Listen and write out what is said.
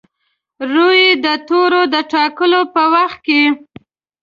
روي د توري د ټاکلو په وخت کې.